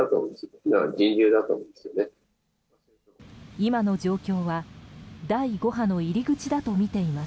今の状況は第５波の入り口だとみています。